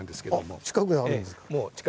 あっ近くにあるんですか。